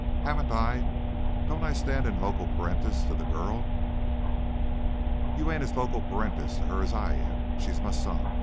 Haven't I ? Don't I stand in loco parentis to the girl?" "You ain't as loco parentis to her as I am. She's my son.